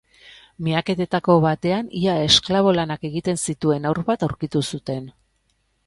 Miaketetako batean ia esklabo lanak egiten zituen haur bat aurkitu zuten.